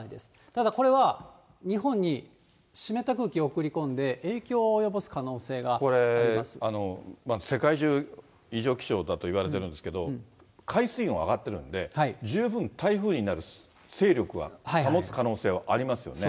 ただ、これは日本に湿った空気を送り込んで、これ、世界中、異常気象だといわれてるんですけど、海水温上がってるんで、十分台風になる勢力は保つ可能性はありますよね。